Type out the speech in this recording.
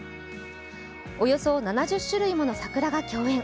およそ７０種類もの桜が競演。